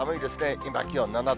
今気温７度。